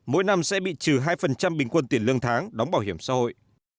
mỗi năm sẽ bị trừ hai bình quân tiền lương tháng đóng bảo hiểm xã hội